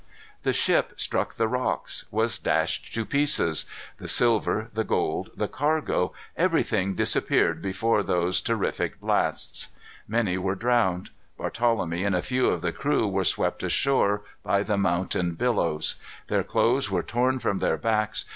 The ship struck the rocks was dashed to pieces; the silver, the gold, the cargo, everything disappeared before those terrific blasts. Many were drowned. Barthelemy and a few of the crew were swept ashore by the mountain billows. Their clothes were torn from their backs.